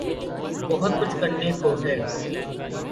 بہت کچھ کرنے کو ہے۔